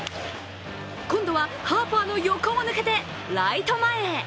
今度はハーパーの横を抜けて、ライト前へ。